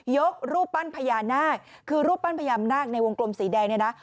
รูปปั้นพญานาคคือรูปปั้นพญานาคในวงกลมสีแดงเนี่ยนะ